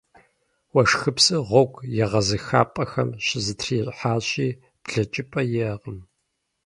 Уэшхыпсыр гъуэгу егъэзыхыпӏэхэм щызэтрихьащи, блэкӏыпӏэ иӏэкъым.